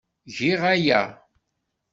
Giɣ aya.